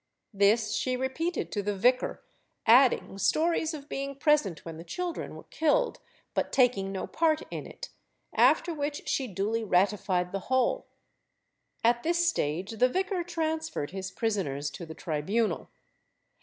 This she repeated to the vicar, adding stories of being present when the children were killed, but taking no part in it, after which she duly ratified the whole. At this stage the vicar transferred his prisoners to the tribunal.